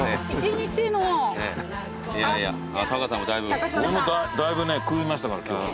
俺もたいぶね食いましたから今日は。